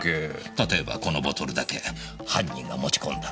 例えばこのボトルだけ犯人が持ち込んだ。